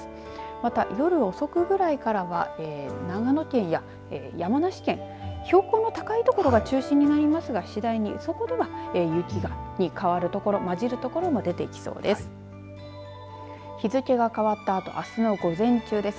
また、夜遅くぐらいからは長野県や山梨県標高の高い所が中心になりますが次第に、そこでは、雪に変わる所まじる所も出てきそうです。